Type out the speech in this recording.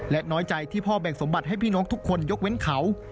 และน้อยใจที่พ่อแบ่งสมบัติให้พี่น้องทุกคนยกเว้นเขา